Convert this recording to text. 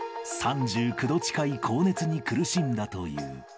３９度近い高熱に苦しんだという。